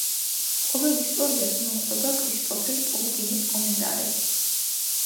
ყოველ ისტორიას მოჰყვება კრისტოფერ ტოლკინის კომენტარები.